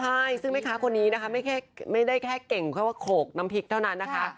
ใช่ซึ่งแม่ค้าคนนี้นะคะไม่ได้แค่เก่งแค่ว่าโขกน้ำพริกเท่านั้นนะคะ